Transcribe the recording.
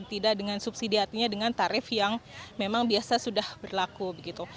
tidak dengan subsidi artinya dengan tarif yang memang biasa sudah berlaku begitu